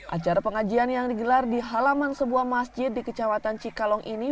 acara pengajian yang digelar di halaman sebuah masjid di kecamatan cikalong ini